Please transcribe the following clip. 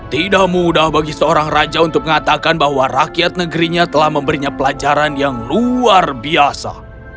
tidak mudah bagi seorang raja untuk mengatakan bahwa rakyat negerinya telah memberinya pelajaran yang luar biasa